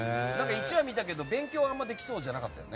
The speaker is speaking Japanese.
１話見たけど、勉強はあまりできそうじゃなかったね。